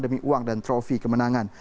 demi uang dan trofi kemenangan